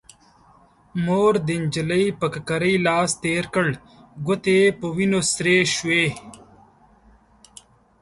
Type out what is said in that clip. مور د نجلۍ پر ککرۍ لاس تير کړ، ګوتې يې په وينو سرې شوې.